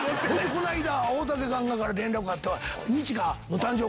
こないだ大竹さんから連絡があって。